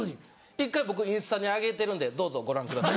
一回僕インスタに上げてるんでどうぞご覧ください。